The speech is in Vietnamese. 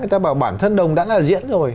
người ta bảo bản thân đồng đã là diễn rồi